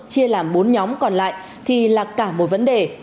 chia làm bốn nhóm còn lại thì là cả một vấn đề